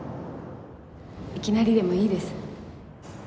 いきなりでもいいです。